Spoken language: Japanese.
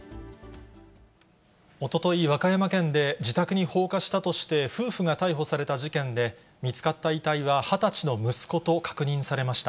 おととい、和歌山県で自宅に放火したとして、夫婦が逮捕された事件で、見つかった遺体は２０歳の息子と確認されました。